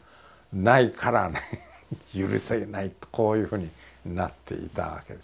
ないからね許せないとこういうふうになっていたわけですね。